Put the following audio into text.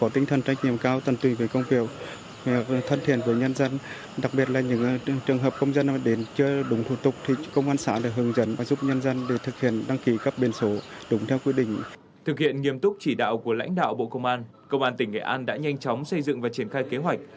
thực hiện nghiêm túc chỉ đạo của lãnh đạo bộ công an công an tỉnh nghệ an đã nhanh chóng xây dựng và triển khai kế hoạch